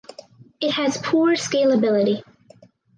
It has poor scalability.